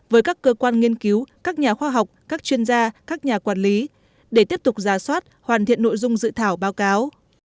với các cơ quan nghiên cứu các nhà khoa học các chuyên gia các nhà quản lý để tiếp tục giả soát hoàn thiện nội dung dự thảo báo cáo